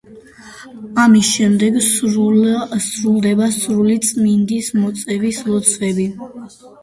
ამის შემდეგ სრულდება სული წმიდის მოწვევის ლოცვები.